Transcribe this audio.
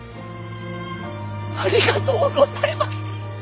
ありがとうございます！